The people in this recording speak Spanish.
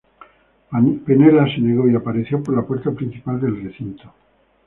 Penella se negó y apareció por la puerta principal del recinto.